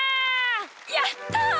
やった！